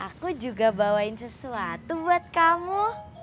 aku juga bawain sesuatu buat kamu